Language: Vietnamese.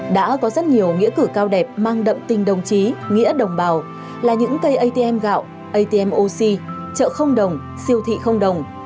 đã có rất nhiều nghĩa cử cao đẹp mang đậm tình đồng chí nghĩa đồng bào là những cây atm gạo atmoc chợ không đồng siêu thị không đồng